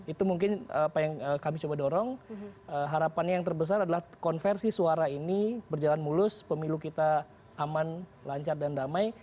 itu mungkin apa yang kami coba dorong harapannya yang terbesar adalah konversi suara ini berjalan mulus pemilu kita aman lancar dan damai